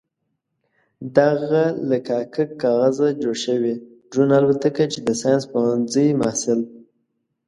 دغه له کاک کاغذه جوړه شوې ډرون الوتکه چې د ساينس پوهنځي محصل